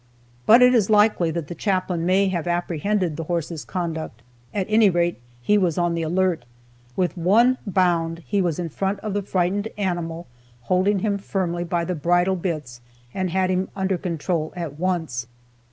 But it is likely that the Chaplain may have apprehended the horse's conduct; at any rate, he was on the alert. With one bound he was in front of the frightened animal, holding him firmly by the bridle bits, and had him under control at once.